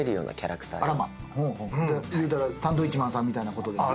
言うたらサンドウィッチマンさんみたいなことですかね。